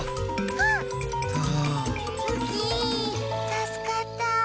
たすかった。